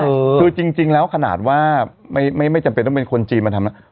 คือจริงแล้วขนาดว่าไม่ไม่จำเป็นต้องเป็นคนจีนมาทำ